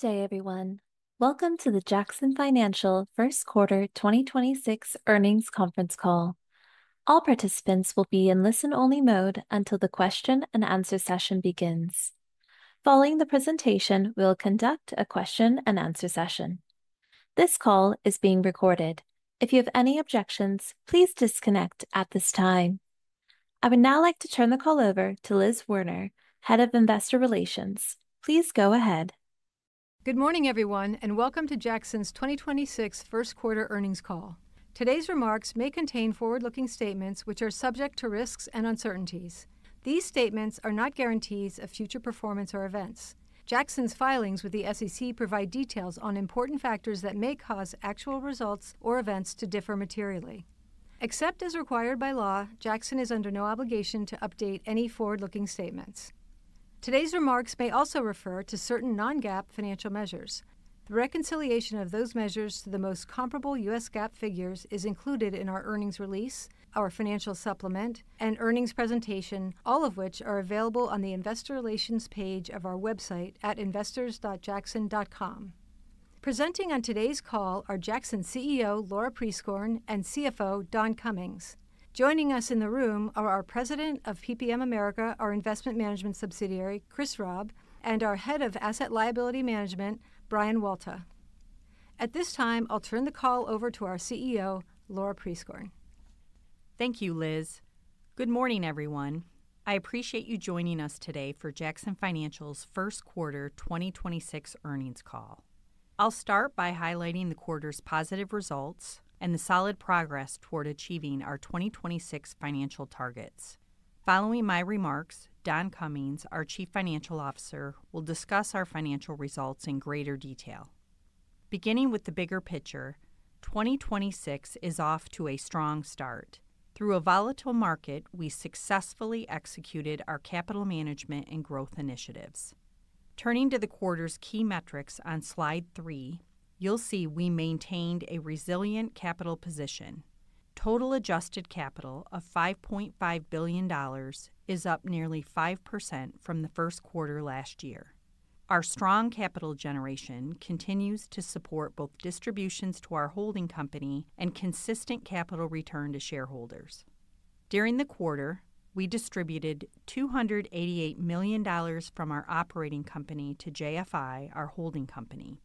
Good day, everyone. Welcome to the Jackson Financial First Quarter 2026 Earnings Conference Call. All participants will be in listen-only mode until the question and answer session begins. Following the presentation, we will conduct a question and answer session. This call is being recorded. If you have any objections, please disconnect at this time. I would now like to turn the call over to Elizabeth Werner, Head of Investor Relations. Please go ahead. Good morning, everyone, and welcome to Jackson's 2026 First Quarter Earnings Call. Today's remarks may contain forward-looking statements which are subject to risks and uncertainties. These statements are not guarantees of future performance or events. Jackson's filings with the SEC provide details on important factors that may cause actual results or events to differ materially. Except as required by law, Jackson is under no obligation to update any forward-looking statements. Today's remarks may also refer to certain non-GAAP financial measures. The reconciliation of those measures to the most comparable U.S. GAAP figures is included in our earnings release, our financial supplement, and earnings presentation, all of which are available on the investor relations page of our website at investors.jackson.com. Presenting on today's call are Jackson CEO, Laura Prieskorn, and CFO, Don Cummings. Joining us in the room are our President of PPM America, our investment management subsidiary, Chris Raub, and our Head of Asset Liability Management, Brian Walta. At this time, I'll turn the call over to our CEO, Laura Prieskorn. Thank you, Liz. Good morning, everyone. I appreciate you joining us today for Jackson Financial's First Quarter 2026 Earnings Call. I'll start by highlighting the quarter's positive results and the solid progress toward achieving our 2026 financial targets. Following my remarks, Don Cummings, our Chief Financial Officer, will discuss our financial results in greater detail. Beginning with the bigger picture, 2026 is off to a strong start. Through a volatile market, we successfully executed our capital management and growth initiatives. Turning to the quarter's key metrics on slide three, you'll see we maintained a resilient capital position. Total adjusted capital of $5.5 billion is up nearly 5% from the first quarter last year. Our strong capital generation continues to support both distributions to our holding company and consistent capital return to shareholders. During the quarter, we distributed $288 million from our operating company to JFI, our holding company.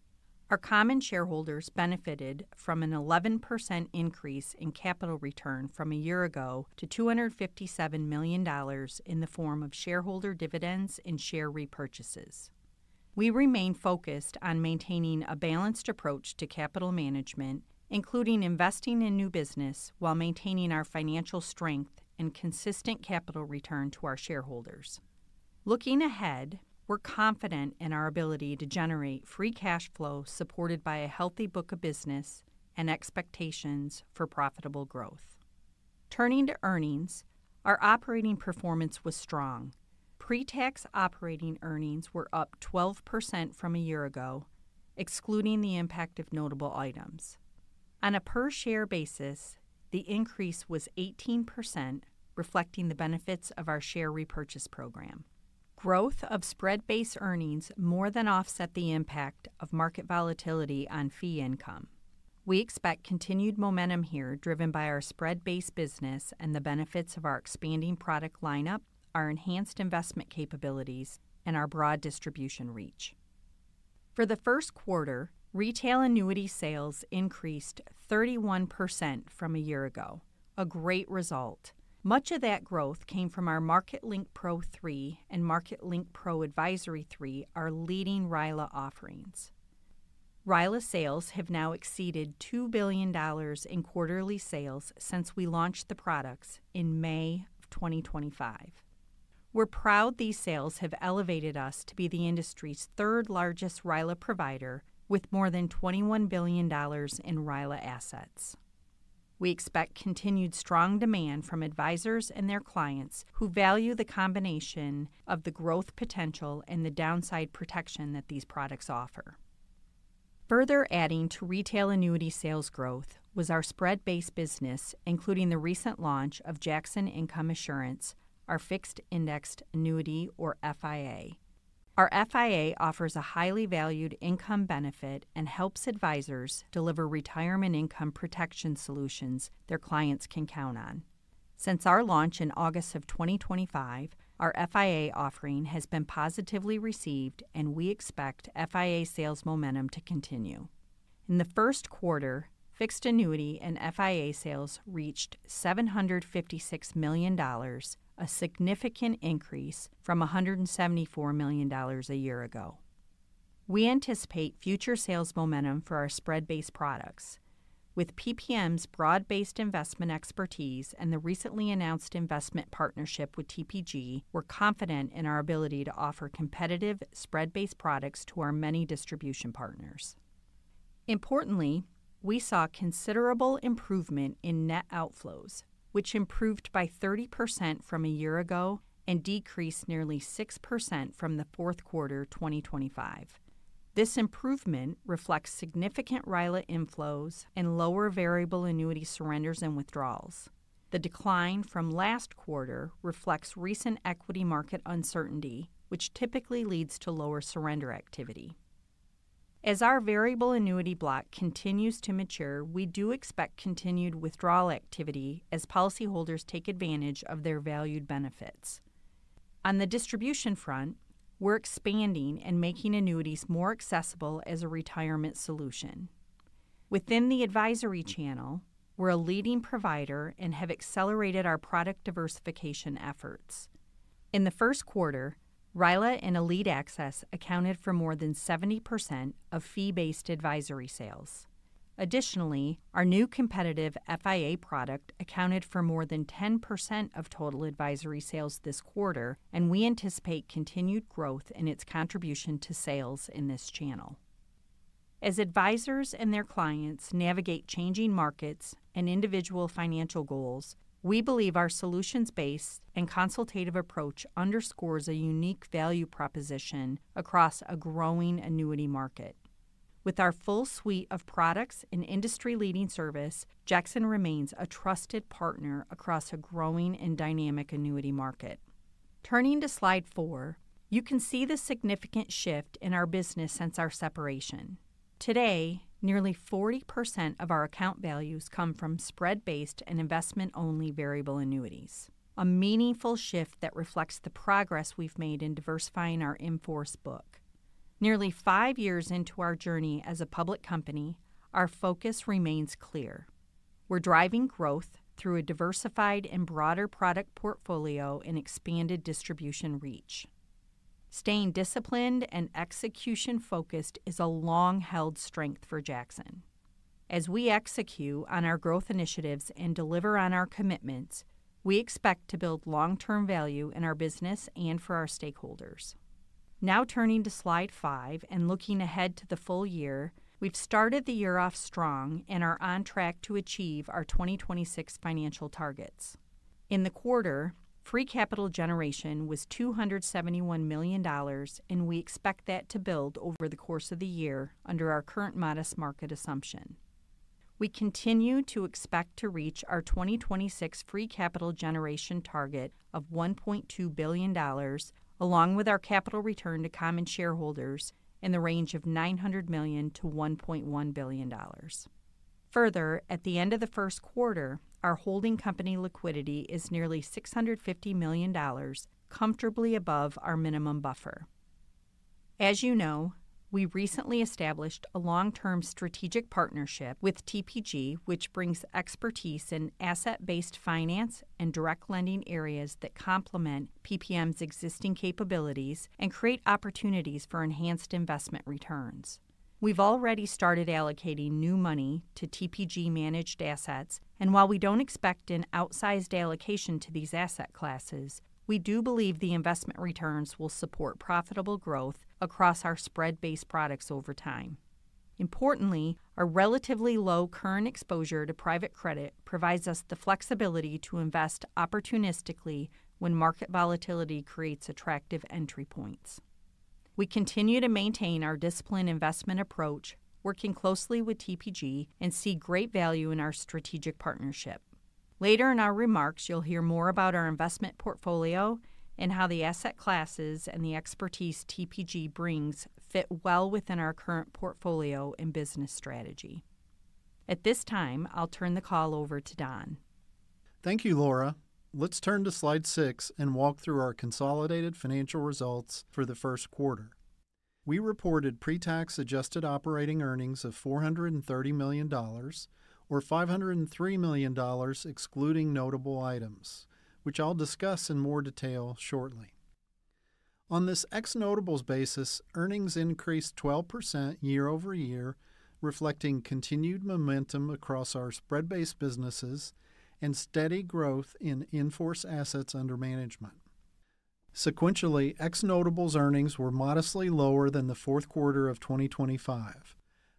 Our common shareholders benefited from an 11% increase in capital return from a year ago to $257 million in the form of shareholder dividends and share repurchases. We remain focused on maintaining a balanced approach to capital management, including investing in new business while maintaining our financial strength and consistent capital return to our shareholders. Looking ahead, we're confident in our ability to generate free cash flow supported by a healthy book of business and expectations for profitable growth. Turning to earnings, our operating performance was strong. Pre-tax operating earnings were up 12% from a year ago, excluding the impact of notable items. On a per share basis, the increase was 18%, reflecting the benefits of our share repurchase program. Growth of spread-based earnings more than offset the impact of market volatility on fee income. We expect continued momentum here, driven by our spread-based business and the benefits of our expanding product lineup, our enhanced investment capabilities, and our broad distribution reach. For the first quarter, retail annuity sales increased 31% from a year ago, a great result. Much of that growth came from our Market Link Pro III and Market Link Pro Advisory III, our leading RILA offerings. RILA sales have now exceeded $2 billion in quarterly sales since we launched the products in May of 2025. We're proud these sales have elevated us to be the industry's third-largest RILA provider with more than $21 billion in RILA assets. We expect continued strong demand from advisors and their clients who value the combination of the growth potential and the downside protection that these products offer. Further adding to retail annuity sales growth was our spread-based business, including the recent launch of Jackson Income Assurance, our fixed indexed annuity or FIA. Our FIA offers a highly valued income benefit and helps advisors deliver retirement income protection solutions their clients can count on. Since our launch in August of 2025, our FIA offering has been positively received, and we expect FIA sales momentum to continue. In the first quarter, fixed annuity and FIA sales reached $756 million, a significant increase from $174 million a year ago. We anticipate future sales momentum for our spread-based products. With PPM's broad-based investment expertise and the recently announced investment partnership with TPG, we're confident in our ability to offer competitive spread-based products to our many distribution partners. Importantly, we saw considerable improvement in net outflows, which improved by 30% from a year ago and decreased nearly 6% from the fourth quarter 2025. This improvement reflects significant RILA inflows and lower variable annuity surrenders and withdrawals. The decline from last quarter reflects recent equity market uncertainty, which typically leads to lower surrender activity. As our variable annuity block continues to mature, we do expect continued withdrawal activity as policyholders take advantage of their valued benefits. On the distribution front, we're expanding and making annuities more accessible as a retirement solution. Within the advisory channel, we're a leading provider and have accelerated our product diversification efforts. In the first quarter, RILA and Elite Access accounted for more than 70% of fee-based advisory sales. Additionally, our new competitive FIA product accounted for more than 10% of total advisory sales this quarter. We anticipate continued growth in its contribution to sales in this channel. As advisors and their clients navigate changing markets and individual financial goals, we believe our solutions-based and consultative approach underscores a unique value proposition across a growing annuity market. With our full suite of products and industry-leading service, Jackson remains a trusted partner across a growing and dynamic annuity market. Turning to slide four, you can see the significant shift in our business since our separation. Today, nearly 40% of our account values come from spread-based and investment-only variable annuities, a meaningful shift that reflects the progress we've made in diversifying our in-force book. Nearly five years into our journey as a public company, our focus remains clear. We're driving growth through a diversified and broader product portfolio and expanded distribution reach. Staying disciplined and execution-focused is a long-held strength for Jackson. As we execute on our growth initiatives and deliver on our commitments, we expect to build long-term value in our business and for our stakeholders. Now turning to slide five and looking ahead to the full year, we've started the year off strong and are on track to achieve our 2026 financial targets. In the quarter, free capital generation was $271 million, and we expect that to build over the course of the year under our current modest market assumption. We continue to expect to reach our 2026 free capital generation target of $1.2 billion, along with our capital return to common shareholders in the range of $900 million-$1.1 billion. Further, at the end of the first quarter, our holding company liquidity is nearly $650 million, comfortably above our minimum buffer. As you know, we recently established a long-term strategic partnership with TPG, which brings expertise in asset-based finance and direct lending areas that complement PPM's existing capabilities and create opportunities for enhanced investment returns. We've already started allocating new money to TPG-managed assets. While we don't expect an outsized allocation to these asset classes, we do believe the investment returns will support profitable growth across our spread-based products over time. Importantly, our relatively low current exposure to private credit provides us the flexibility to invest opportunistically when market volatility creates attractive entry points. We continue to maintain our disciplined investment approach, working closely with TPG, and see great value in our strategic partnership. Later in our remarks, you'll hear more about our investment portfolio and how the asset classes and the expertise TPG brings fit well within our current portfolio and business strategy. At this time, I'll turn the call over to Don. Thank you, Laura. Let's turn to slide six and walk through our consolidated financial results for the first quarter. We reported pre-tax adjusted operating earnings of $430 million or $503 million excluding notable items, which I'll discuss in more detail shortly. On this ex-notables basis, earnings increased 12% year-over-year, reflecting continued momentum across our spread-based businesses and steady growth in in-force assets under management. Sequentially, ex-notables earnings were modestly lower than the fourth quarter of 2025,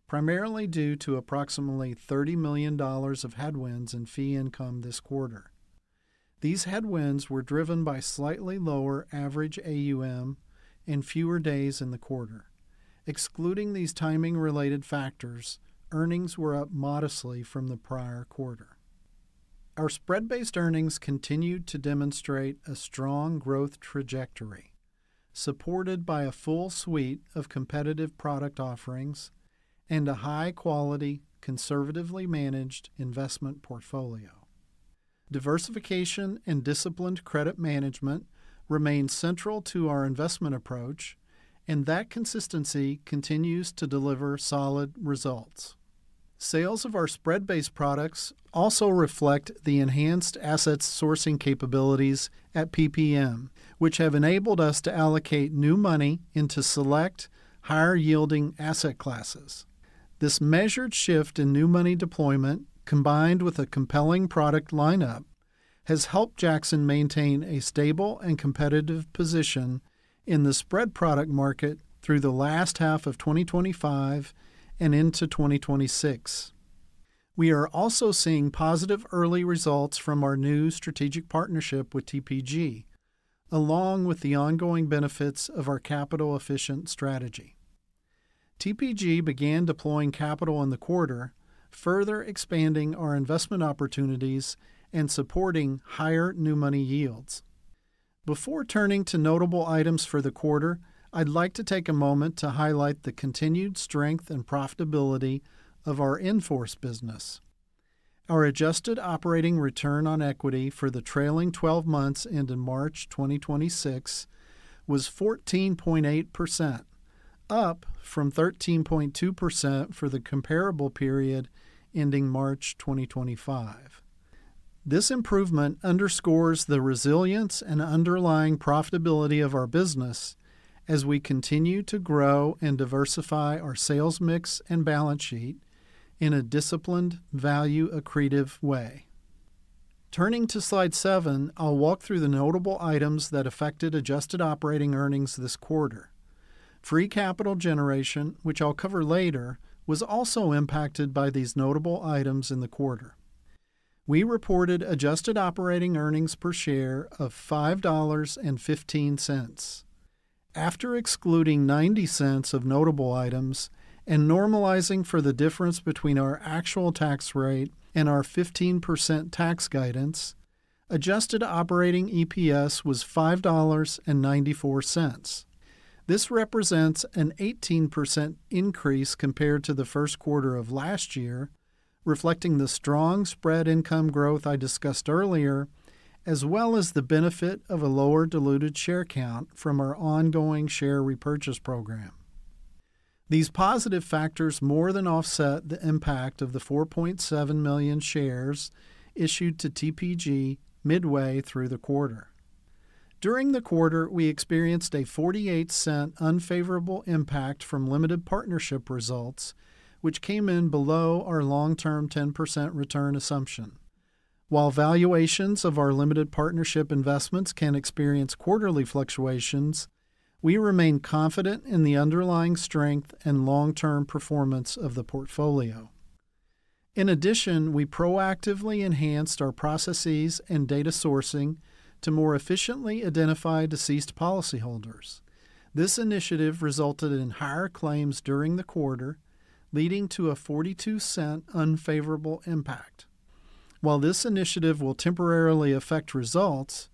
primarily due to approximately $30 million of headwinds in fee income this quarter. These headwinds were driven by slightly lower average AUM and fewer days in the quarter. Excluding these timing-related factors, earnings were up modestly from the prior quarter. Our spread-based earnings continued to demonstrate a strong growth trajectory, supported by a full suite of competitive product offerings and a high-quality, conservatively managed investment portfolio. Diversification and disciplined credit management remain central to our investment approach, and that consistency continues to deliver solid results. Sales of our spread-based products also reflect the enhanced asset sourcing capabilities at PPM, which have enabled us to allocate new money into select higher-yielding asset classes. This measured shift in new money deployment, combined with a compelling product lineup, has helped Jackson maintain a stable and competitive position in the spread product market through the last half of 2025 and into 2026. We are also seeing positive early results from our new strategic partnership with TPG, along with the ongoing benefits of our capital-efficient strategy. TPG began deploying capital in the quarter, further expanding our investment opportunities and supporting higher new money yields. Before turning to notable items for the quarter, I'd like to take a moment to highlight the continued strength and profitability of our in-force business. Our Adjusted Operating Return on Equity for the trailing 12 months ending March 2026 was 14.8%, up from 13.2% for the comparable period ending March 2025. This improvement underscores the resilience and underlying profitability of our business as we continue to grow and diversify our sales mix and balance sheet in a disciplined, value-accretive way. Turning to Slide seven, I'll walk through the notable items that affected Adjusted Operating Earnings this quarter. Free Capital Generation, which I'll cover later, was also impacted by these notable items in the quarter. We reported Adjusted Operating Earnings per share of $5.15. After excluding $0.90 of notable items and normalizing for the difference between our actual tax rate and our 15% tax guidance, Adjusted Operating EPS was $5.94. This represents an 18% increase compared to the first quarter of last year, reflecting the strong spread income growth I discussed earlier, as well as the benefit of a lower diluted share count from our ongoing share repurchase program. These positive factors more than offset the impact of the 4.7 million shares issued to TPG midway through the quarter. During the quarter, we experienced a $0.48 unfavorable impact from limited partnership results, which came in below our long-term 10% return assumption. While valuations of our limited partnership investments can experience quarterly fluctuations, we remain confident in the underlying strength and long-term performance of the portfolio. In addition, we proactively enhanced our processes and data sourcing to more efficiently identify deceased policyholders. This initiative resulted in higher claims during the quarter, leading to a $0.42 unfavorable impact. While this initiative will temporarily affect results,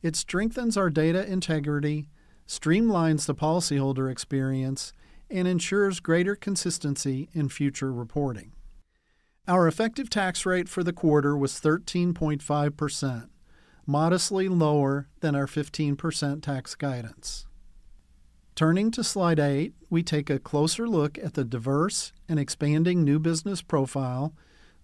it strengthens our data integrity, streamlines the policyholder experience, and ensures greater consistency in future reporting. Our effective tax rate for the quarter was 13.5%, modestly lower than our 15% tax guidance. Turning to slide eight, we take a closer look at the diverse and expanding new business profile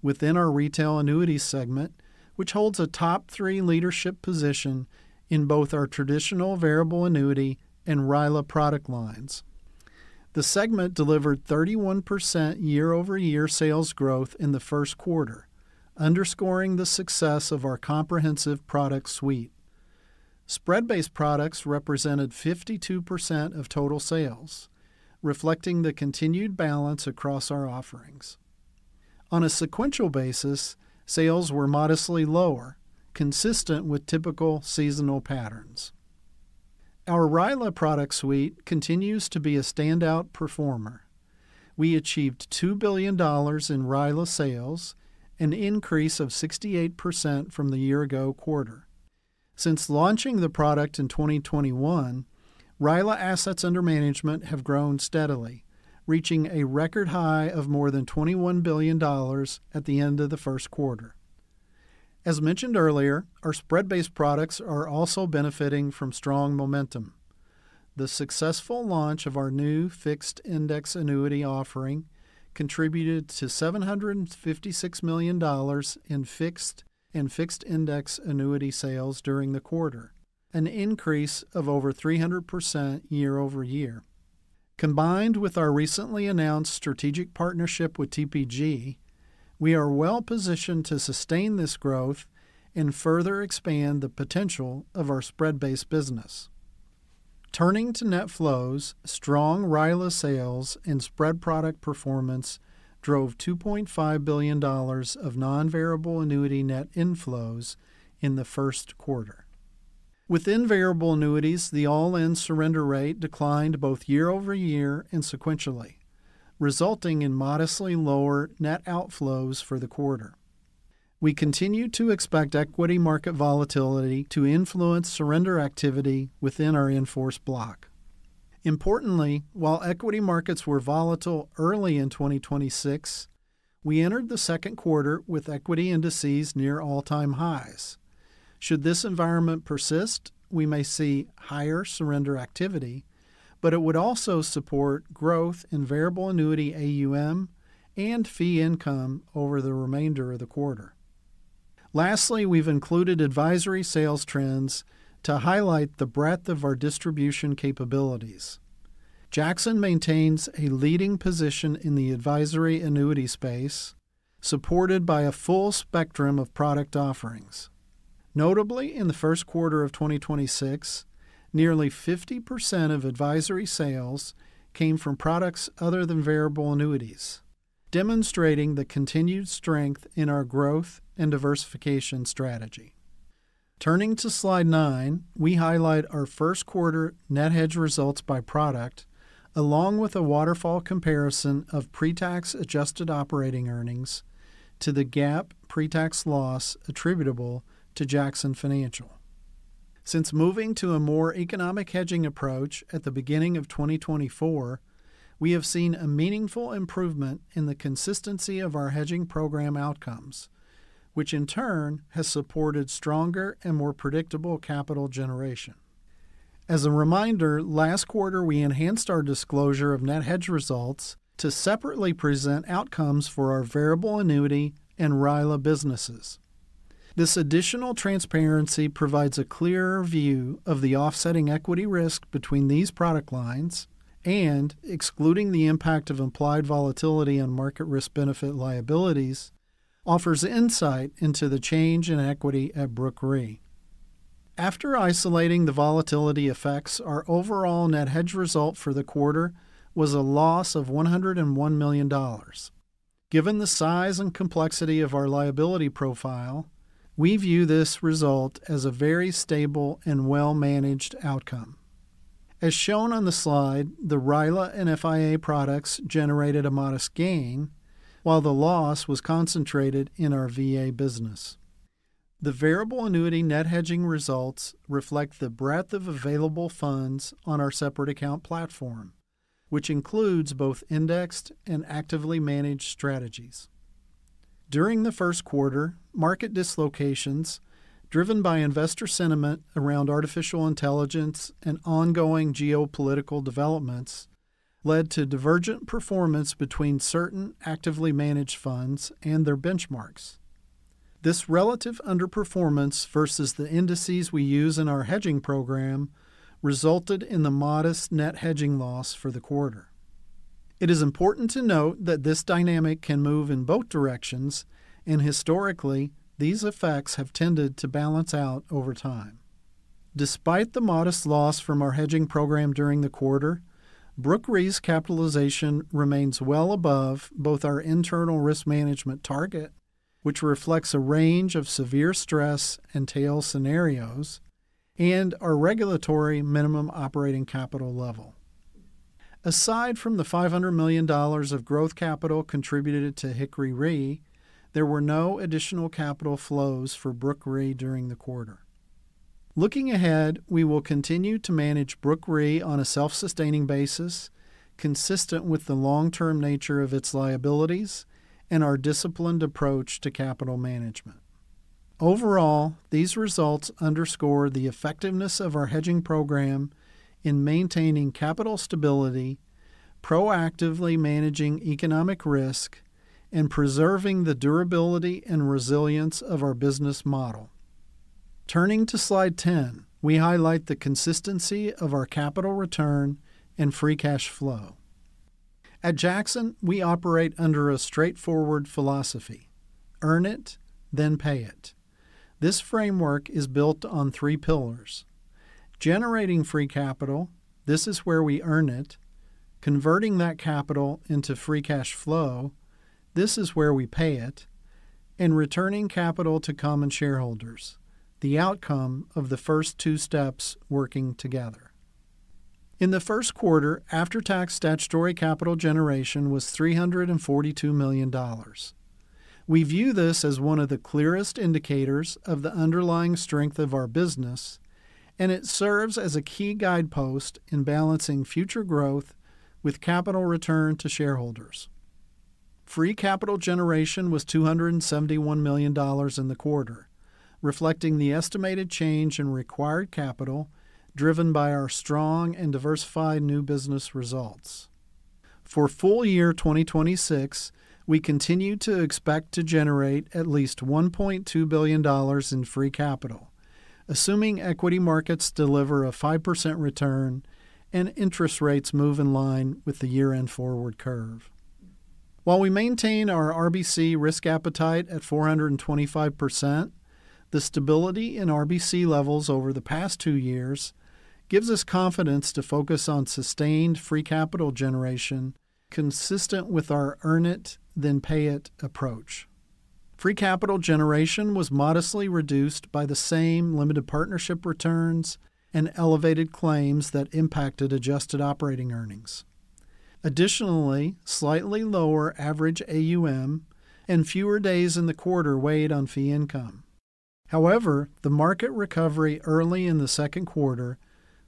within our Retail Annuity segment, which holds a top three leadership position in both our traditional variable annuity and RILA product lines. The segment delivered 31% year-over-year sales growth in the first quarter, underscoring the success of our comprehensive product suite. Spread-based products represented 52% of total sales, reflecting the continued balance across our offerings. On a sequential basis, sales were modestly lower, consistent with typical seasonal patterns. Our RILA product suite continues to be a standout performer. We achieved $2 billion in RILA sales, an increase of 68% from the year ago quarter. Since launching the product in 2021, RILA assets under management have grown steadily, reaching a record high of more than $21 billion at the end of the first quarter. As mentioned earlier, our spread-based products are also benefiting from strong momentum. The successful launch of our new fixed indexed annuity offering contributed to $756 million in fixed and fixed indexed annuity sales during the quarter, an increase of over 300% year-over-year. Combined with our recently announced strategic partnership with TPG, we are well-positioned to sustain this growth and further expand the potential of our spread-based business. Turning to net flows, strong RILA sales and spread product performance drove $2.5 billion of non-variable annuity net inflows in the first quarter. Within variable annuities, the all-in surrender rate declined both year-over-year and sequentially, resulting in modestly lower net outflows for the quarter. We continue to expect equity market volatility to influence surrender activity within our in-force block. Importantly, while equity markets were volatile early in 2026, we entered the second quarter with equity indices near all-time highs. Should this environment persist, we may see higher surrender activity, but it would also support growth in variable annuity AUM and fee income over the remainder of the quarter. Lastly, we've included advisory sales trends to highlight the breadth of our distribution capabilities. Jackson maintains a leading position in the advisory annuity space, supported by a full spectrum of product offerings. Notably, in the first quarter of 2026, nearly 50% of advisory sales came from products other than variable annuities, demonstrating the continued strength in our growth and diversification strategy. Turning to slide nine, we highlight our first quarter net hedge results by product, along with a waterfall comparison of pre-tax adjusted operating earnings to the GAAP pre-tax loss attributable to Jackson Financial. Since moving to a more economic hedging approach at the beginning of 2024, we have seen a meaningful improvement in the consistency of our hedging program outcomes, which in turn has supported stronger and more predictable capital generation. As a reminder, last quarter we enhanced our disclosure of net hedge results to separately present outcomes for our variable annuity and RILA businesses. This additional transparency provides a clearer view of the offsetting equity risk between these product lines and excluding the impact of implied volatility on market risk benefit liabilities offers insight into the change in equity at Brooke Re. After isolating the volatility effects, our overall net hedge result for the quarter was a loss of $101 million. Given the size and complexity of our liability profile, we view this result as a very stable and well-managed outcome. As shown on the slide, the RILA and FIA products generated a modest gain, while the loss was concentrated in our VA business. The variable annuity net hedging results reflect the breadth of available funds on our separate account platform, which includes both indexed and actively managed strategies. During the first quarter, market dislocations driven by investor sentiment around artificial intelligence and ongoing geopolitical developments led to divergent performance between certain actively managed funds and their benchmarks. This relative underperformance versus the indices we use in our hedging program resulted in the modest net hedging loss for the quarter. It is important to note that this dynamic can move in both directions, and historically, these effects have tended to balance out over time. Despite the modest loss from our hedging program during the quarter, Brooke Re's capitalization remains well above both our internal risk management target, which reflects a range of severe stress and tail scenarios, and our regulatory minimum operating capital level. Aside from the $500 million of growth capital contributed to Hickory Re, there were no additional capital flows for Brooke Re during the quarter. Looking ahead, we will continue to manage Brooke Re on a self-sustaining basis consistent with the long-term nature of its liabilities and our disciplined approach to capital management. Overall, these results underscore the effectiveness of our hedging program in maintaining capital stability, proactively managing economic risk, and preserving the durability and resilience of our business model. Turning to slide 10, we highlight the consistency of our capital return and free cash flow. At Jackson, we operate under a straightforward philosophy, earn it, then pay it. This framework is built on three pillars. Generating Free Capital, this is where we earn it, converting that capital into free cash flow, this is where we pay it, and returning capital to common shareholders, the outcome of the first two steps working together. In the first quarter, after-tax statutory capital generation was $342 million. We view this as one of the clearest indicators of the underlying strength of our business, and it serves as a key guidepost in balancing future growth with capital return to shareholders. Free Capital Generation was $271 million in the quarter, reflecting the estimated change in required capital driven by our strong and diversified new business results. For full year 2026, we continue to expect to generate at least $1.2 billion in free capital, assuming equity markets deliver a 5% return and interest rates move in line with the year-end forward curve. While we maintain our RBC risk appetite at 425%, the stability in RBC levels over the past two years gives us confidence to focus on sustained free capital generation consistent with our earn it, then pay it approach. Free capital generation was modestly reduced by the same limited partnership returns and elevated claims that impacted Adjusted Operating Earnings. Additionally, slightly lower average AUM and fewer days in the quarter weighed on fee income. However, the market recovery early in the second quarter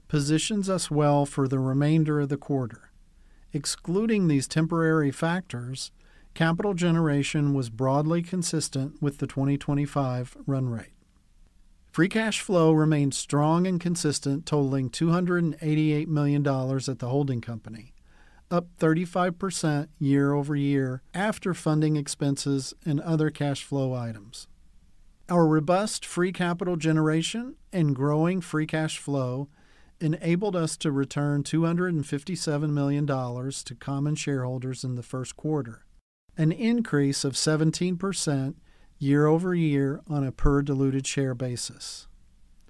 positions us well for the remainder of the quarter. Excluding these temporary factors, capital generation was broadly consistent with the 2025 run rate. Free cash flow remained strong and consistent, totaling $288 million at the holding company, up 35% year-over-year after funding expenses and other cash flow items. Our robust free capital generation and growing free cash flow enabled us to return $257 million to common shareholders in the first quarter, an increase of 17% year-over-year on a per diluted share basis.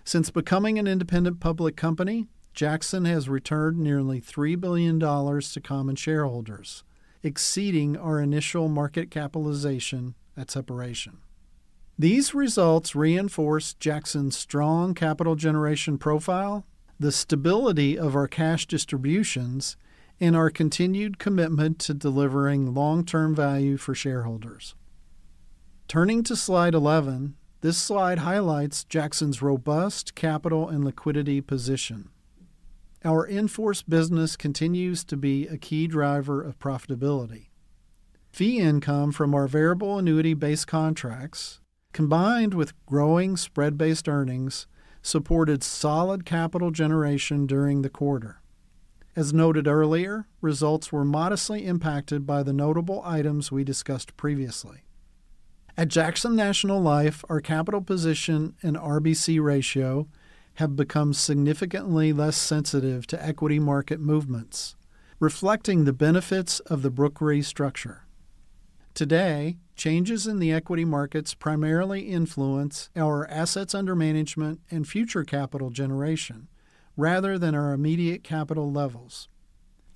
Since becoming an independent public company, Jackson has returned nearly $3 billion to common shareholders, exceeding our initial market capitalization at separation. These results reinforce Jackson's strong Capital Generation Profile, the stability of our cash distributions, and our continued commitment to delivering long-term value for shareholders. Turning to slide 11, this slide highlights Jackson's robust capital and liquidity position. Our in-force business continues to be a key driver of profitability. Fee income from our variable annuity base contracts, combined with growing spread-based earnings, supported solid capital generation during the quarter. As noted earlier, results were modestly impacted by the notable items we discussed previously. At Jackson National Life, our capital position and RBC ratio have become significantly less sensitive to equity market movements, reflecting the benefits of the Brooke Re structure. Today, changes in the equity markets primarily influence our assets under management and future capital generation rather than our immediate capital levels.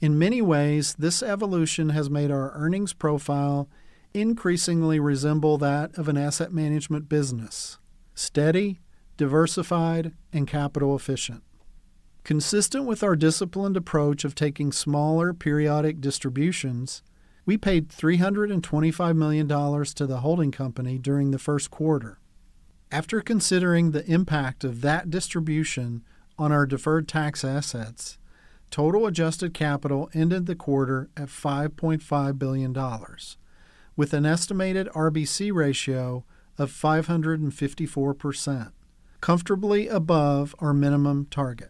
In many ways, this evolution has made our earnings profile increasingly resemble that of an asset management business: steady, diversified, and capital efficient. Consistent with our disciplined approach of taking smaller periodic distributions, we paid $325 million to the holding company during the first quarter. After considering the impact of that distribution on our deferred tax assets, Total Adjusted Capital ended the quarter at $5.5 billion with an estimated RBC ratio of 554%, comfortably above our minimum target.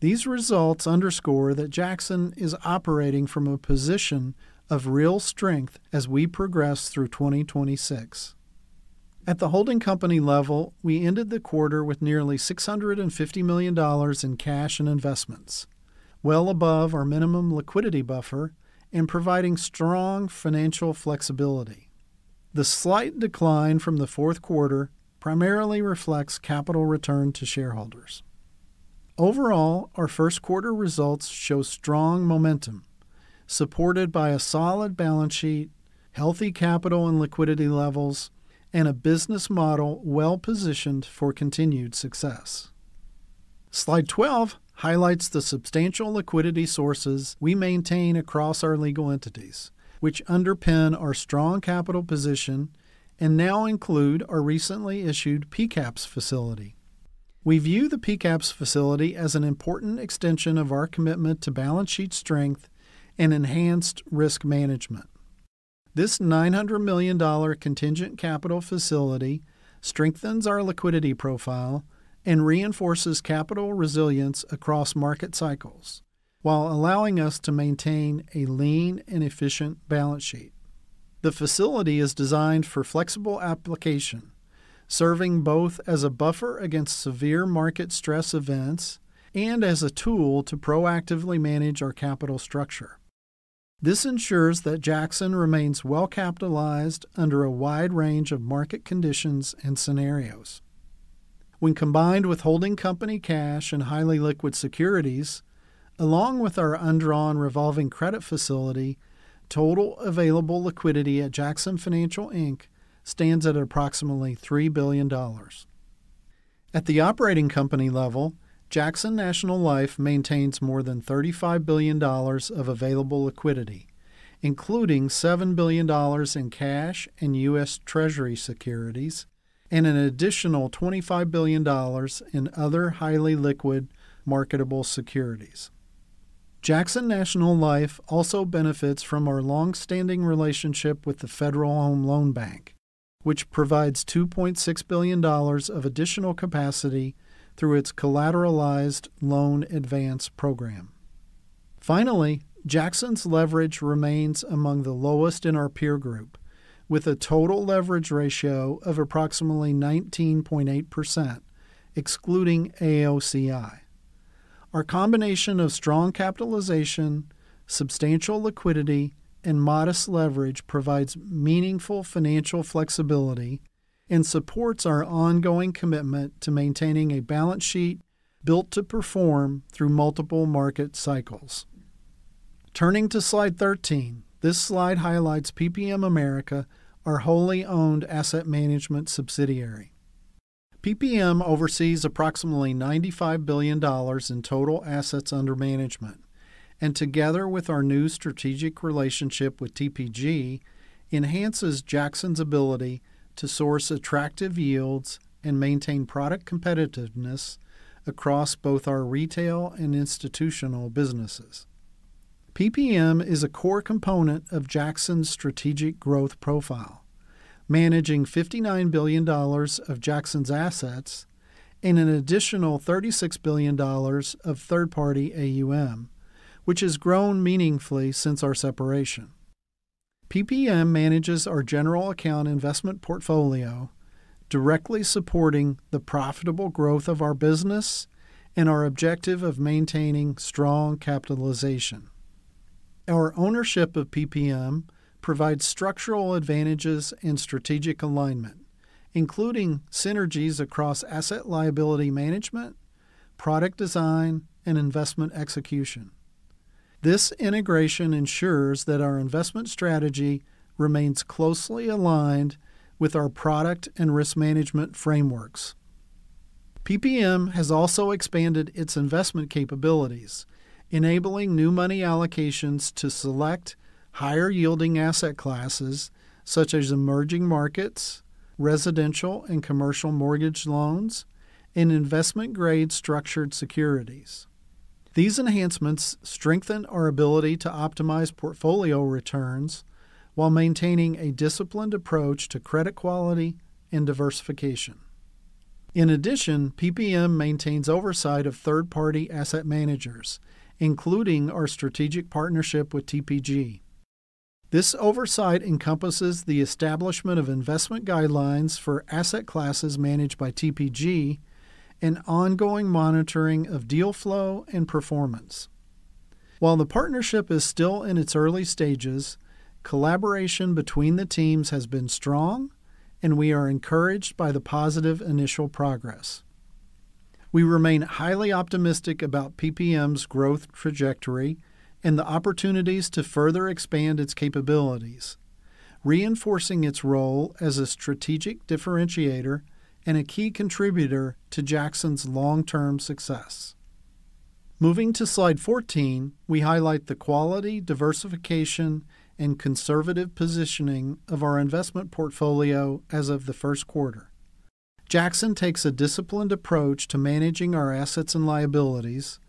These results underscore that Jackson is operating from a position of real strength as we progress through 2026. At the holding company level, we ended the quarter with nearly $650 million in cash and investments, well above our minimum liquidity buffer and providing strong financial flexibility. The slight decline from the fourth quarter primarily reflects capital return to shareholders. Overall, our first quarter results show strong momentum supported by a solid balance sheet, healthy capital and liquidity levels, and a business model well-positioned for continued success. Slide 12 highlights the substantial liquidity sources we maintain across our legal entities, which underpin our strong capital position and now include our recently issued PCAPS facility. We view the PCAPS facility as an important extension of our commitment to balance sheet strength and enhanced risk management. This $900 million contingent capital facility strengthens our liquidity profile and reinforces capital resilience across market cycles while allowing us to maintain a lean and efficient balance sheet. The facility is designed for flexible application, serving both as a buffer against severe market stress events and as a tool to proactively manage our capital structure. This ensures that Jackson remains well-capitalized under a wide range of market conditions and scenarios. When combined with holding company cash and highly liquid securities, along with our undrawn revolving credit facility, total available liquidity at Jackson Financial Inc. stands at approximately $3 billion. At the operating company level, Jackson National Life maintains more than $35 billion of available liquidity, including $7 billion in cash and U.S. Treasury securities and an additional $25 billion in other highly liquid marketable securities. Jackson National Life also benefits from our long-standing relationship with the Federal Home Loan Bank, which provides $2.6 billion of additional capacity through its collateralized loan advance program. Finally, Jackson's leverage remains among the lowest in our peer group, with a total leverage ratio of approximately 19.8%, excluding AOCI. Our combination of strong capitalization, substantial liquidity, and modest leverage provides meaningful financial flexibility and supports our ongoing commitment to maintaining a balance sheet built to perform through multiple market cycles. Turning to slide 13, this slide highlights PPM America, our wholly owned asset management subsidiary. PPM oversees approximately $95 billion in total assets under management, and together with our new strategic relationship with TPG, enhances Jackson's ability to source attractive yields and maintain product competitiveness across both our retail and institutional businesses. PPM is a core component of Jackson's strategic growth profile, managing $59 billion of Jackson's assets and an additional $36 billion of third-party AUM, which has grown meaningfully since our separation. PPM manages our general account investment portfolio directly supporting the profitable growth of our business and our objective of maintaining strong capitalization. Our ownership of PPM provides structural advantages and strategic alignment, including synergies across Asset Liability Management, product design, and investment execution. This integration ensures that our investment strategy remains closely aligned with our product and risk management frameworks. PPM has also expanded its investment capabilities, enabling new money allocations to select higher yielding asset classes such as emerging markets, residential and commercial mortgage loans, and investment grade structured securities. These enhancements strengthen our ability to optimize portfolio returns while maintaining a disciplined approach to credit quality and diversification. In addition, PPM maintains oversight of third-party asset managers, including our strategic partnership with TPG. This oversight encompasses the establishment of investment guidelines for asset classes managed by TPG and ongoing monitoring of deal flow and performance. While the partnership is still in its early stages, collaboration between the teams has been strong, and we are encouraged by the positive initial progress. We remain highly optimistic about PPM's growth trajectory and the opportunities to further expand its capabilities, reinforcing its role as a strategic differentiator and a key contributor to Jackson's long-term success. Moving to slide 14, we highlight the quality, diversification, and conservative positioning of our investment portfolio as of the first quarter. Jackson takes a disciplined approach to managing our assets and liabilities,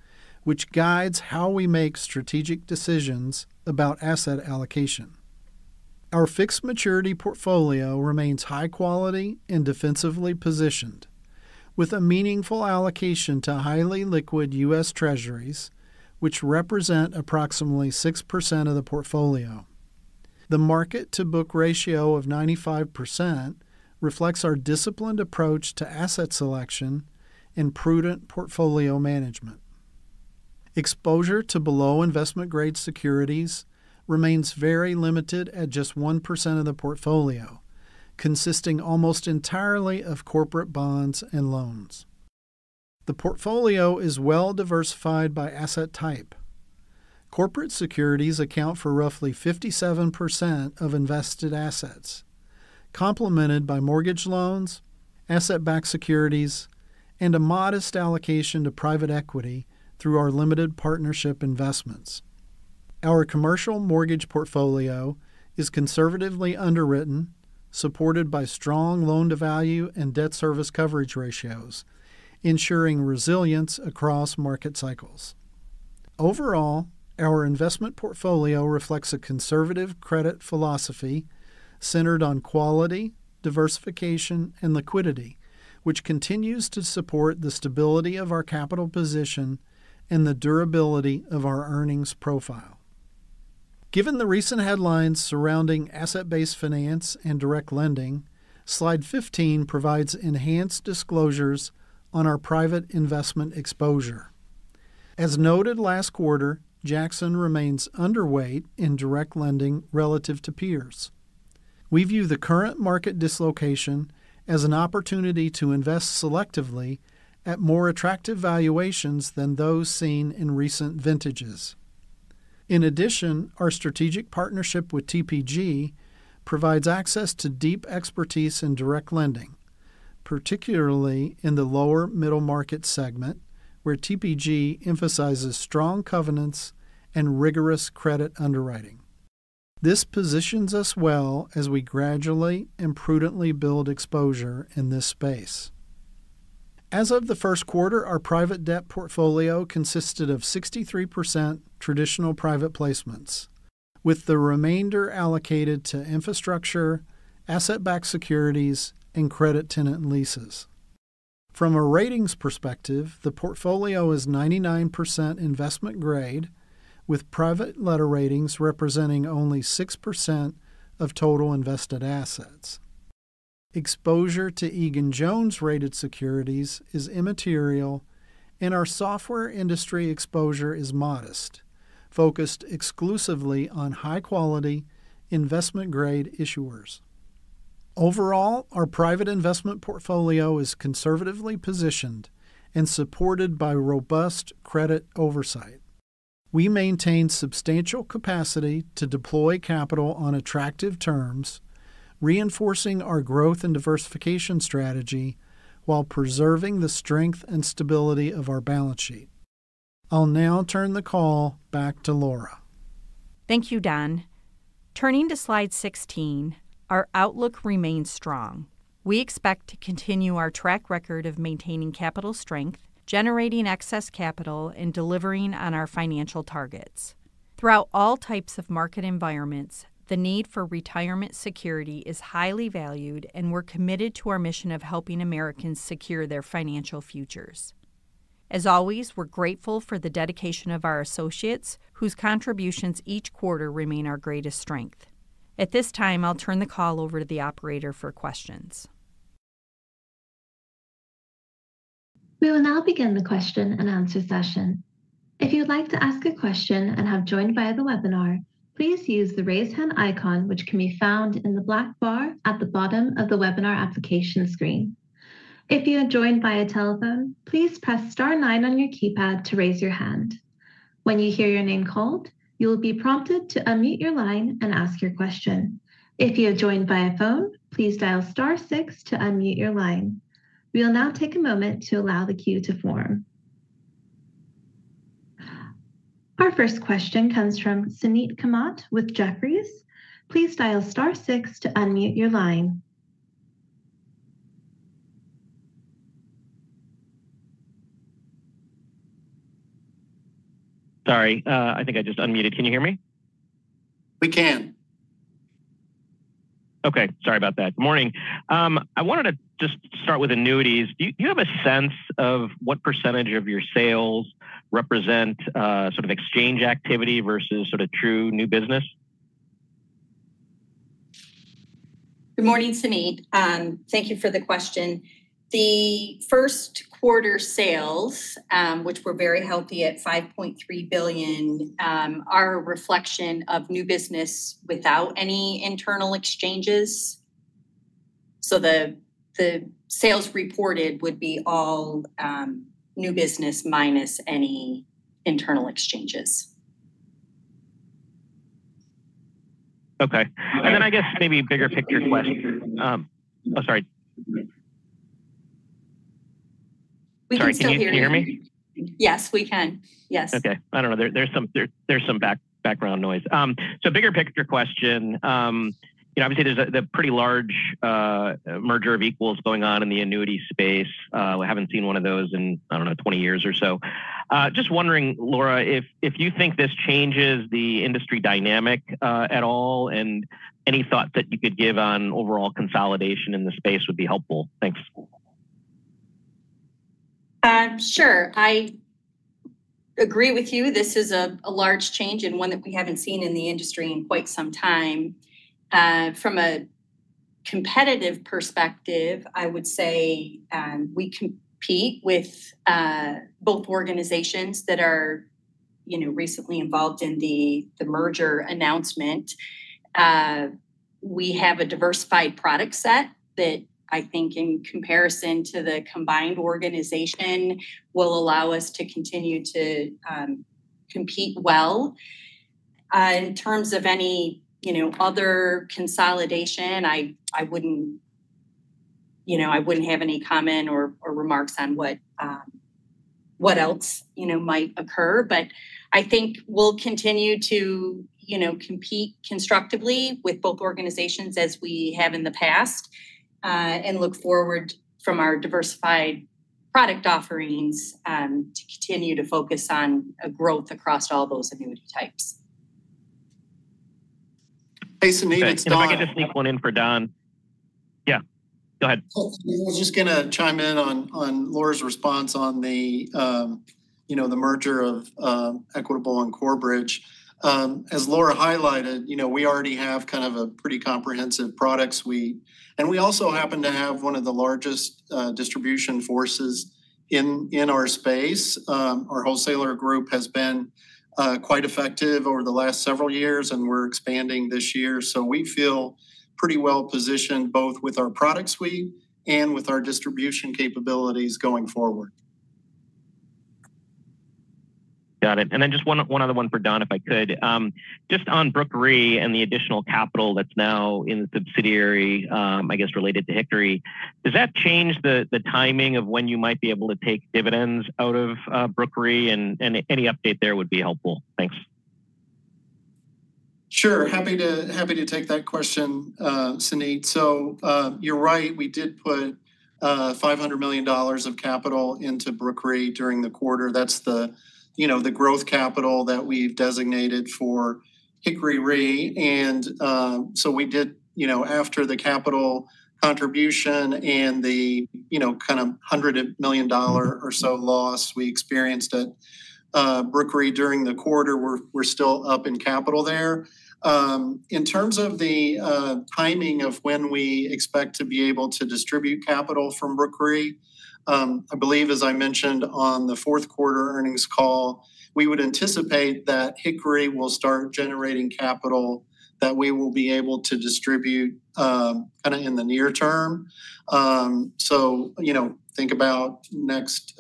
which guides how we make strategic decisions about asset allocation. Our fixed maturity portfolio remains high quality and defensively positioned, with a meaningful allocation to highly liquid U.S. Treasuries, which represent approximately 6% of the portfolio. The market-to-book ratio of 95% reflects our disciplined approach to asset selection and prudent portfolio management. Exposure to below investment-grade securities remains very limited at just 1% of the portfolio, consisting almost entirely of corporate bonds and loans. The portfolio is well-diversified by asset type. Corporate securities account for roughly 57% of invested assets, complemented by mortgage loans, asset-backed securities, and a modest allocation to private equity through our limited partnership investments. Our commercial mortgage portfolio is conservatively underwritten, supported by strong loan-to-value and debt service coverage ratios, ensuring resilience across market cycles. Overall, our investment portfolio reflects a conservative credit philosophy centered on quality, diversification, and liquidity, which continues to support the stability of our capital position and the durability of our earnings profile. Given the recent headlines surrounding asset-based finance and direct lending, slide 15 provides enhanced disclosures on our private investment exposure. As noted last quarter, Jackson remains underweight in direct lending relative to peers. We view the current market dislocation as an opportunity to invest selectively at more attractive valuations than those seen in recent vintages. In addition, our strategic partnership with TPG provides access to deep expertise in direct lending, particularly in the lower middle market segment, where TPG emphasizes strong covenants and rigorous credit underwriting. This positions us well as we gradually and prudently build exposure in this space. As of the first quarter, our private debt portfolio consisted of 63% traditional private placements, with the remainder allocated to infrastructure, asset-backed securities, and credit tenant leases. From a ratings perspective, the portfolio is 99% investment grade, with private letter ratings representing only 6% of total invested assets. Exposure to Egan-Jones rated securities is immaterial, and our software industry exposure is modest, focused exclusively on high quality investment grade issuers. Overall, our private investment portfolio is conservatively positioned and supported by robust credit oversight. We maintain substantial capacity to deploy capital on attractive terms, reinforcing our growth and diversification strategy while preserving the strength and stability of our balance sheet. I'll now turn the call back to Laura. Thank you, Don. Turning to slide 16, our outlook remains strong. We expect to continue our track record of maintaining capital strength, generating excess capital, and delivering on our financial targets. Throughout all types of market environments, the need for retirement security is highly valued, and we're committed to our mission of helping Americans secure their financial futures. As always, we're grateful for the dedication of our associates, whose contributions each quarter remain our greatest strength. At this time, I'll turn the call over to the operator for questions. We will now begin the question and answer session. If you'd like to ask a question and have joined via the webinar, please use the raise hand icon, which can be found in the black bar at the bottom of the webinar application screen. If you have joined via telephone, please press star nine on your keypad to raise your hand. When you hear your name called, you will be prompted to unmute your line and ask your question. If you have joined via phone, please dial star six to unmute your line. We will now take a moment to allow the queue to form. Our first question comes from Suneet Kamath with Jefferies. Sorry, I think I just unmuted. Can you hear me? We can. Okay. Sorry about that. Morning. I wanted to just start with annuities. Do you have a sense of what percentage of your sales represent, sort of exchange activity versus sort of true new business? Good morning, Suneet. Thank you for the question. The first quarter sales, which were very healthy at $5.3 billion, are a reflection of new business without any internal exchanges. The sales reported would be all new business minus any internal exchanges. Okay. I guess maybe a bigger picture question. Oh, sorry. We can still hear you. Sorry, can you hear me? Yes, we can. Yes. Okay. I don't know. There's some background noise. Bigger picture question. You know, obviously there's a pretty large merger of equals going on in the annuity space. We haven't seen one of those in, I don't know, 20 years or so. Just wondering, Laura, if you think this changes the industry dynamic at all, and any thoughts that you could give on overall consolidation in the space would be helpful. Thanks. Sure. I agree with you. This is a large change and one that we haven't seen in the industry in quite some time. From a competitive perspective, I would say, we compete with both organizations that are, you know, recently involved in the merger announcement. We have a diversified product set that I think in comparison to the combined organization will allow us to continue to compete well. In terms of any, you know, other consolidation, I wouldn't, you know, have any comment or remarks on what else, you know, might occur. I think we'll continue to, you know, compete constructively with both organizations as we have in the past, and look forward from our diversified product offerings to continue to focus on a growth across all those annuity types. Hey, Suneet, it's Don. If I could just sneak one in for Don. Yeah, go ahead. I was just gonna chime in on Laura's response on the, you know, the merger of Equitable and Corebridge. As Laura highlighted, you know, we already have kind of a pretty comprehensive product suite, and we also happen to have one of the largest distribution forces in our space. Our wholesaler group has been quite effective over the last several years, and we're expanding this year. We feel pretty well-positioned both with our product suite and with our distribution capabilities going forward. Got it. Just one other one for Don, if I could. Just on Brooke Re and the additional capital that's now in subsidiary, I guess related to Hickory Re, does that change the timing of when you might be able to take dividends out of Brooke Re? Any update there would be helpful. Thanks. Sure. Happy to take that question, Suneet. You're right. We did put $500 million of capital into Brooke Re during the quarter. That's the, you know, the growth capital that we've designated for Hickory Re. We did, you know, after the capital contribution and the, you know, kind of $100 million or so loss we experienced at Brooke Re during the quarter, we're still up in capital there. In terms of the timing of when we expect to be able to distribute capital from Brooke Re, I believe as I mentioned on the fourth quarter earnings call, we would anticipate that Hickory will start generating capital that we will be able to distribute, kind of in the near term. You know, think about next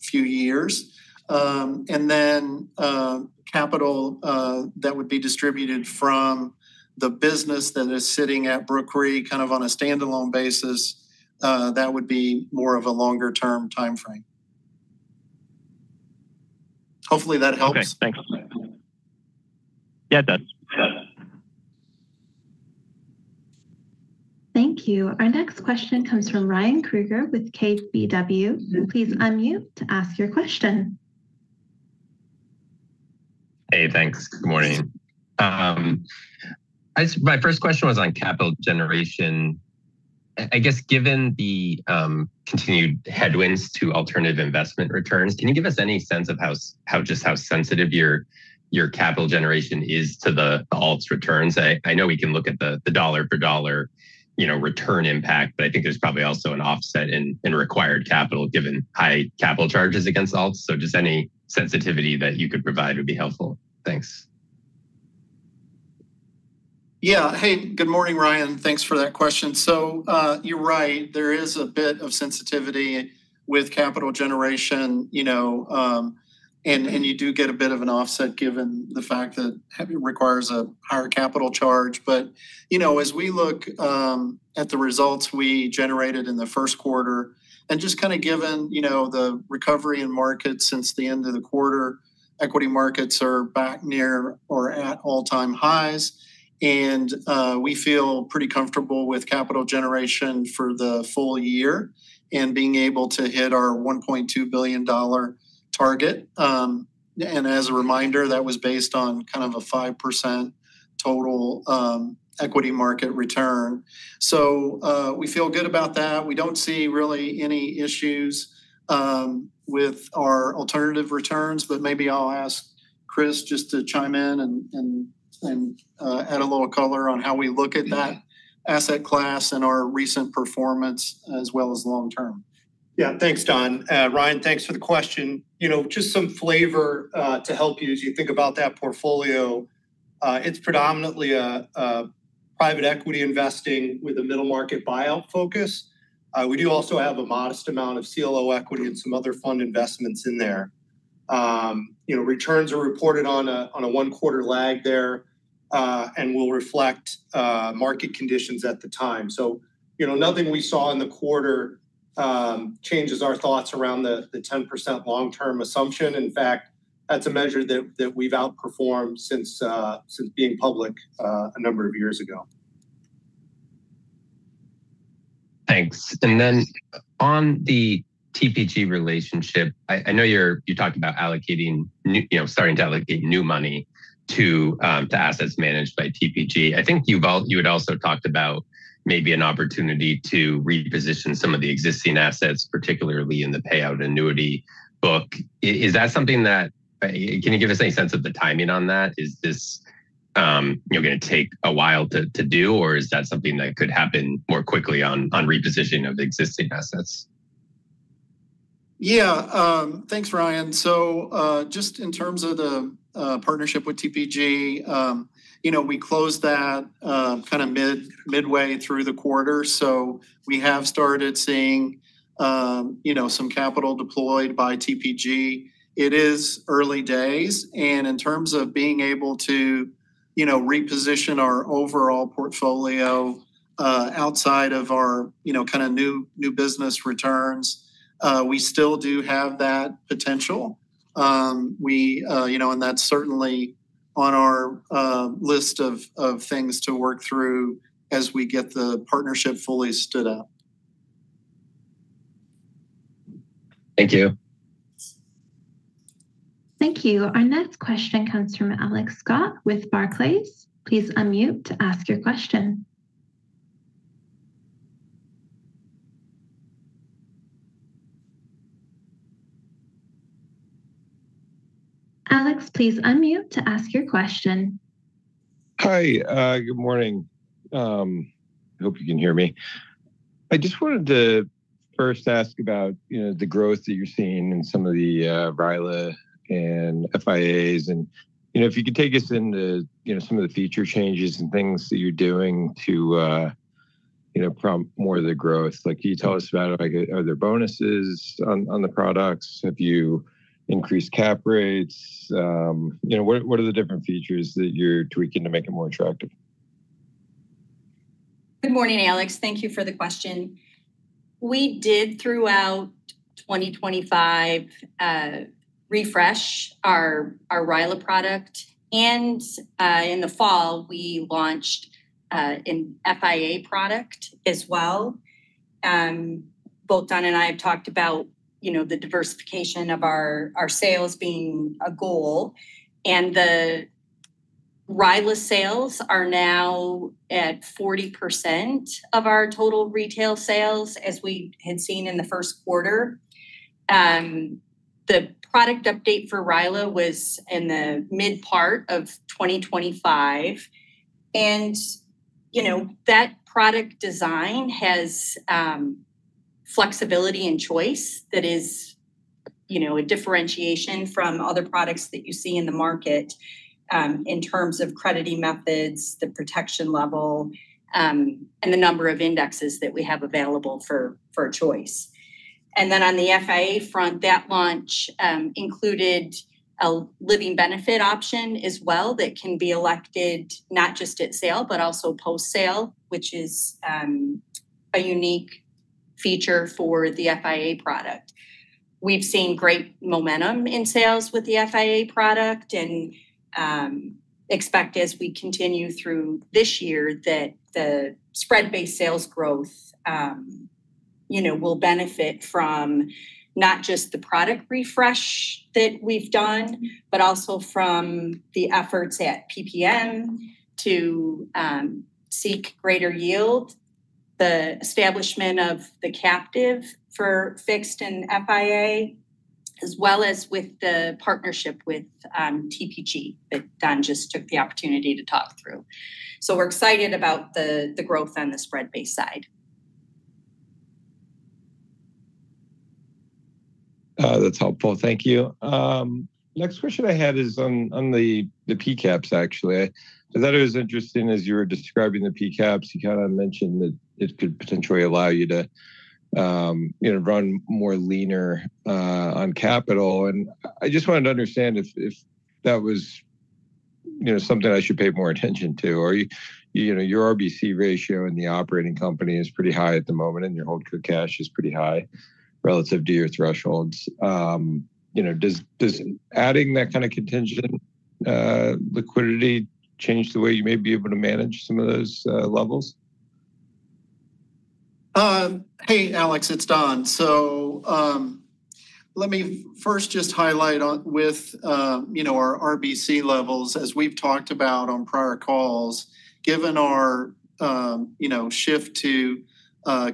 few years. Capital, that would be distributed from the business that is sitting at Brooke Re kind of on a standalone basis, that would be more of a longer-term timeframe. Hopefully, that helps. Okay, thanks. Yeah, it does. Thank you. Our next question comes from Ryan Krueger with KBW. Please unmute to ask your question. Hey, thanks. Good morning. My first question was on capital generation. I guess given the continued headwinds to alternative investment returns, can you give us any sense of how just how sensitive your capital generation is to the alts returns? I know we can look at the dollar per dollar, you know, return impact, but I think there's probably also an offset in required capital given high capital charges against alts. Just any sensitivity that you could provide would be helpful. Thanks. Hey, good morning, Ryan. Thanks for that question. You're right. There is a bit of sensitivity with capital generation, you know, and you do get a bit of an offset given the fact that Hickory Re requires a higher capital charge. You know, as we look at the results we generated in the first quarter and just kind of given, you know, the recovery in markets since the end of the quarter. Equity markets are back near or at all-time highs, we feel pretty comfortable with capital generation for the full year and being able to hit our $1.2 billion target. As a reminder, that was based on kind of a 5% total equity market return. We feel good about that. We don't see really any issues with our alternative returns. Maybe I'll ask Chris just to chime in and add a little color on how we look at that asset class and our recent performance as well as long term. Yeah. Thanks, Don. Ryan, thanks for the question. You know, just some flavor to help you as you think about that portfolio. It's predominantly a private equity investing with a middle market buyout focus. We do also have a modest amount of CLO equity and some other fund investments in there. You know, returns are reported on a one-quarter lag there and will reflect market conditions at the time. You know, nothing we saw in the quarter changes our thoughts around the 10% long-term assumption. In fact, that's a measure that we've outperformed since being public a number of years ago. Thanks. On the TPG relationship, I know you talked about allocating new, you know, starting to allocate new money to assets managed by TPG. I think you had also talked about maybe an opportunity to reposition some of the existing assets, particularly in the payout annuity book. Is that something that can you give us any sense of the timing on that? Is this, you know, gonna take a while to do, or is that something that could happen more quickly on repositioning of existing assets? Yeah. Thanks, Ryan. Just in terms of the partnership with TPG, you know, we closed that kind of midway through the quarter. We have started seeing, you know, some capital deployed by TPG. It is early days. In terms of being able to, you know, reposition our overall portfolio, outside of our, you know, kind of new business returns, we still do have that potential. We, you know, that's certainly on our list of things to work through as we get the partnership fully stood up. Thank you. Thank you. Our next question comes from Alex Scott with Barclays. Please unmute to ask your question. Alex, please unmute to ask your question. Hi. Good morning. Hope you can hear me. I just wanted to first ask about, you know, the growth that you're seeing in some of the RILA and FIAs. You know, if you could take us into, you know, some of the feature changes and things that you're doing to, you know, prompt more of the growth. Like, can you tell us about, like, are there bonuses on the products? Have you increased cap rates? You know, what are the different features that you're tweaking to make it more attractive? Good morning, Alex. Thank you for the question. We did, throughout 2025, refresh our RILA product, and in the fall, we launched an FIA product as well. Both Don and I have talked about, you know, the diversification of our sales being a goal. The RILA sales are now at 40% of our total retail sales, as we had seen in the first quarter. The product update for RILA was in the mid part of 2025. You know, that product design has flexibility and choice that is, you know, a differentiation from other products that you see in the market, in terms of crediting methods, the protection level, and the number of indexes that we have available for choice. On the FIA front, that launch included a living benefit option as well that can be elected not just at sale, but also post-sale, which is a unique feature for the FIA product. We've seen great momentum in sales with the FIA product and expect as we continue through this year that the spread-based sales growth, you know, will benefit from not just the product refresh that we've done, but also from the efforts at PPM to seek greater yield, the establishment of the captive for fixed and FIA, as well as with the partnership with TPG that Don just took the opportunity to talk through. We're excited about the growth on the spread-based side. That's helpful. Thank you. Next question I had is on the PCAPS, actually. I thought it was interesting as you were describing the PCAPS, you kind of mentioned that it could potentially allow you to, you know, run more leaner on capital. I just wanted to understand if that was something I should pay more attention to, or you know, your RBC ratio in the operating company is pretty high at the moment, and your holdco cash is pretty high relative to your thresholds. You know, does adding that kind of contingent liquidity change the way you may be able to manage some of those levels? Hey, Alex, it's Don. Let me first just highlight on with, you know, our RBC levels, as we've talked about on prior calls, given our, you know, shift to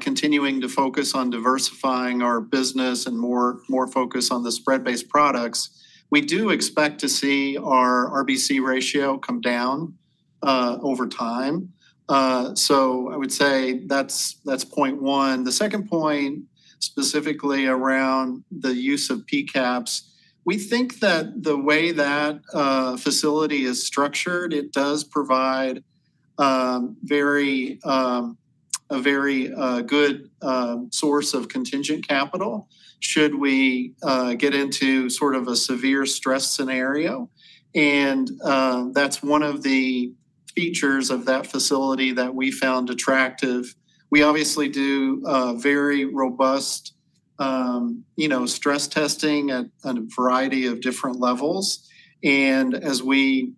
continuing to focus on diversifying our business and more focus on the spread-based products. We do expect to see our RBC ratio come down over time. I would say that's point one. The second point, specifically around the use of PCAPS, we think that the way that facility is structured, it does provide very a very good source of contingent capital should we get into sort of a severe stress scenario. That's one of the features of that facility that we found attractive. We obviously do very robust, you know, stress testing at a variety of different levels. As we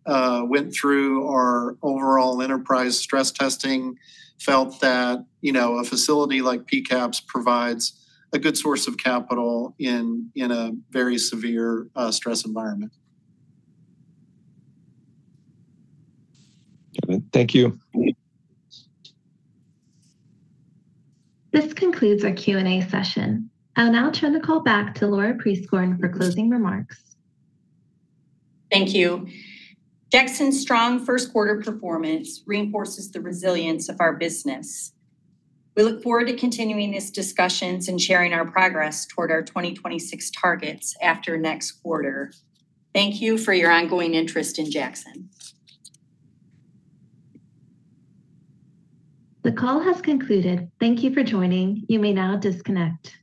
went through our overall enterprise stress testing, felt that, you know, a facility like PCAPS provides a good source of capital in a very severe stress environment. Okay. Thank you. This concludes our Q&A session. I'll now turn the call back to Laura Prieskorn for closing remarks. Thank you. Jackson's strong first quarter performance reinforces the resilience of our business. We look forward to continuing these discussions and sharing our progress toward our 2026 targets after next quarter. Thank you for your ongoing interest in Jackson. The call has concluded. Thank you for joining. You may now disconnect.